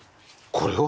これを？